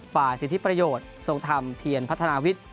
ฝ่ายสิทธิประโยชน์ทรงธรรมเพียรพัฒนาวิทย์